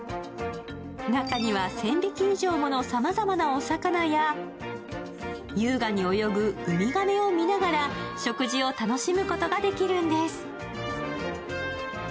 中には１０００匹以上のさまざまなお魚や優雅に泳ぐウミガメを見ながら食事を楽しむことができるんです。